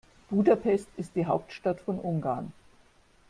Budapest ist die Hauptstadt von Ungarn.